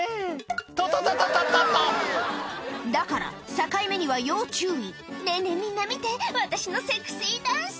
「とととと」だから境目には要注意「ねぇねぇみんな見て私のセクシーダンス」